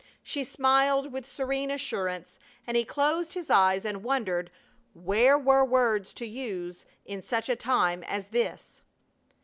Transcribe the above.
She smiled with serene assurance, and he closed his eyes and wondered where were words to use in such a time as this.